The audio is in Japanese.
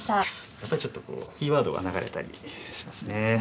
やっぱりちょっとこうキーワードが流れたりしますね。